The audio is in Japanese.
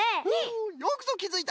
よくぞきづいた！